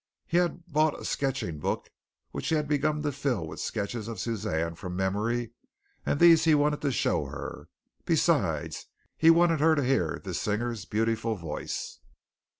He had bought a sketching book which he had begun to fill with sketches of Suzanne from memory and these he wanted to show her. Besides, he wanted her to hear this singer's beautiful voice.